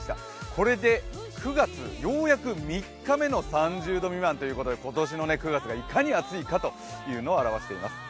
これで９月、ようやく３日目の３０度未満ということで今年の９月がいかに暑いかというのを表しています。